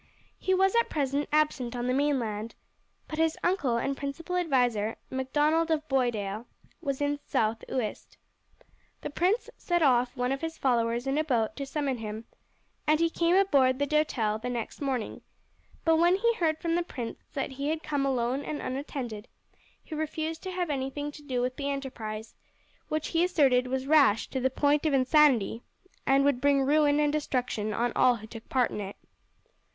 He was at present absent on the mainland, but his uncle and principal adviser, Macdonald of Boisdale, was in South Uist. The prince sent off one of his followers in a boat to summon him, and he came aboard the Doutelle the next morning; but when he heard from the prince that he had come alone and unattended he refused to have anything to do with the enterprise, which he asserted was rash to the point of insanity, and would bring ruin and destruction on all who took part in it.